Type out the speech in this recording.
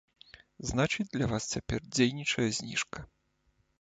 Значыць, для вас цяпер дзейнічае зніжка.